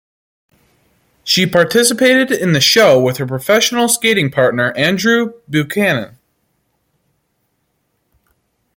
She participated in the show with her professional skating partner Andrew Buchanan.